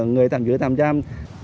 người tạm giữ tạm giam